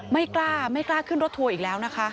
ไม่กล้าไม่กล้าขึ้นรถทัวร์อีกแล้วนะคะ